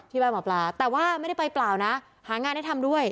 บ้านหมอปลาแต่ว่าไม่ได้ไปเปล่านะหางานให้ทำด้วย